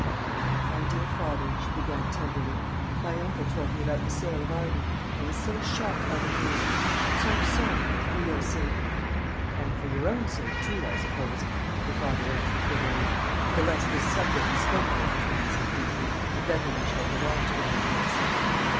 "My dear father," she began tenderly, "my uncle told me about the sale of Arden. I was so shocked by the news so sorry for your sake." "And for your own sake too, I suppose," her father answered bitterly. "The less this subject is spoken of between us in future, the better we shall get on together, Clarissa."